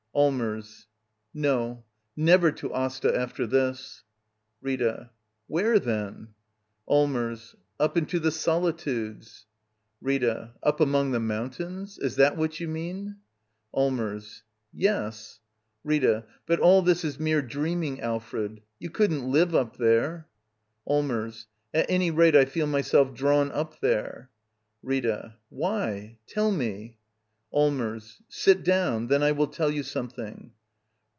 Allmers. No. Never to Asta after this. Rita. Where, then? Allmers. Up into the solitudes. Rtta. Up among the mountains? Is that what you mean ? /Elmers. Yes. / Rita. But all this is mere dreaming, Alfred! /You couldn't live up there. I Allmers. At any rate, I feel myself drawn up Shere. Rita. Why? Tell me! Allmers. Sit down. Then I will tell you something.